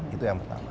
itu yang pertama